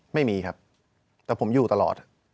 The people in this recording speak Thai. ไม่มีครับแต่ผมอยู่ตลอด